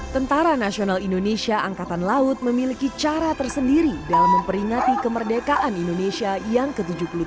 tentara nasional indonesia angkatan laut memiliki cara tersendiri dalam memperingati kemerdekaan indonesia yang ke tujuh puluh tiga